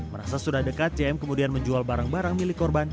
merasa sudah dekat cm kemudian menjual barang barang milik korban